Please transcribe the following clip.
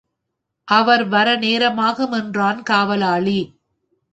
அவர் வர நேரமாகும் என்றான் காவலாளி.